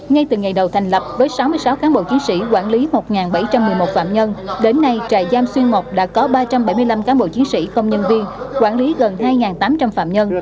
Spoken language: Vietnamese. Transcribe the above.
ngay từ ngày đầu thành lập với sáu mươi sáu cán bộ chiến sĩ quản lý một bảy trăm một mươi một phạm nhân đến nay trại giam xuyên mộc đã có ba trăm bảy mươi năm cán bộ chiến sĩ công nhân viên quản lý gần hai tám trăm linh phạm nhân